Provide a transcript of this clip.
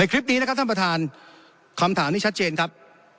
คลิปนี้นะครับท่านประธานคำถามนี้ชัดเจนครับ